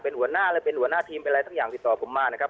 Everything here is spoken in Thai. เป็นหัวหน้าเลยเป็นหัวหน้าทีมเป็นอะไรทั้งอย่างติดต่อผมมานะครับ